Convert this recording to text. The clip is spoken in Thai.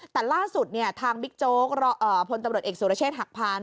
แต่ล่าสุดทางบิ๊กโจ๊กพลตำรวจเอกสุรเชษฐหักพาน